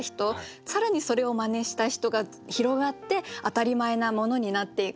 更にそれを真似した人が広がって当たり前なものになっていく。